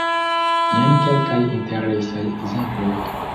Jen kelkaj interesaj ekzemploj.